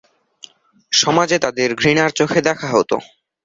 সমাজে তাদের ঘৃণার চোখে দেখা হতো।